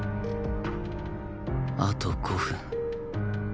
あと５分